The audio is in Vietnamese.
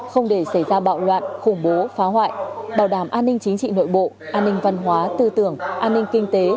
không để xảy ra bạo loạn khủng bố phá hoại bảo đảm an ninh chính trị nội bộ an ninh văn hóa tư tưởng an ninh kinh tế